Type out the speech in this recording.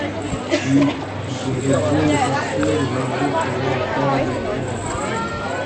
Oui, vous aurez beau le percer, les lambeaux feront encore des cœurs de père.